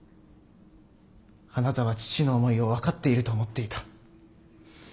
あなたは父の思いを分かっていると思っていた。